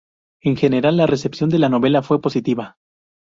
En general, la recepción de la novela fue positiva.